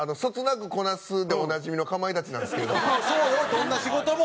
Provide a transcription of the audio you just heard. どんな仕事も。